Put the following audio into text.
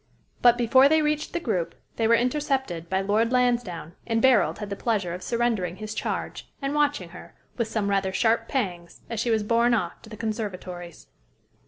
But, before they reached the group, they were intercepted by Lord Lansdowne; and Barold had the pleasure of surrendering his charge, and watching her, with some rather sharp pangs, as she was borne off to the conservatories.